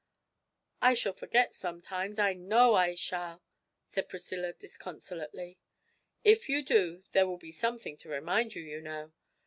'I shall forget sometimes, I know I shall!' said Priscilla disconsolately. 'If you do, there will be something to remind you, you know.